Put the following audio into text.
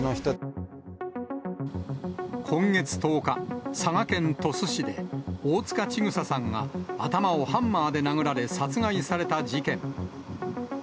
今月１０日、佐賀県鳥栖市で、大塚千種さんが、頭をハンマーで殴られ、殺害された事件。